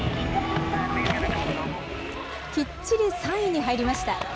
きっちり３位に入りました。